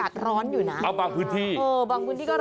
โหอบตาว่างอ่ะ